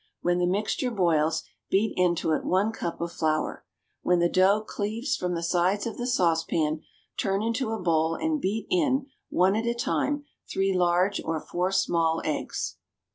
When the mixture boils, beat into it one cup of flour. When the dough cleaves from the sides of the saucepan, turn into a bowl and beat in, one at a time, three large or four small eggs.